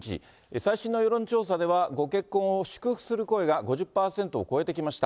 最新の世論調査では、ご結婚を祝福する声が５０％を超えてきました。